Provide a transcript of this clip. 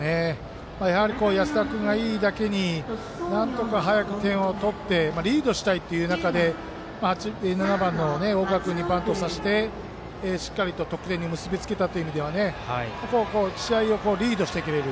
やはり安田君がいいだけになんとか、早く点を取ってリードしたいという中で７番の大賀君にバントをさせてしっかりと得点に結び付けたのは試合をリードしてくれる。